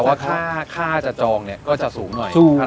ว่าค่าจะจองเนี่ยก็จะสูงหน่อย